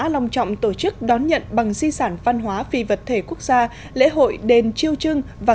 lòng trọng tổ chức đón nhận bằng di sản văn hóa phi vật thể quốc gia lễ hội đền triêu trưng và